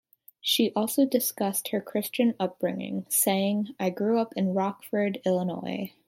She also discussed her Christian upbringing, saying, I grew up in Rockford, Illinois.